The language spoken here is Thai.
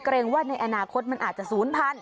เกรงว่าในอนาคตมันอาจจะศูนย์พันธ